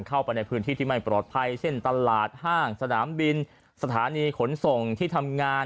เข้าไปในพื้นที่ที่ไม่ปลอดภัยเช่นตลาดห้างสนามบินสถานีขนส่งที่ทำงาน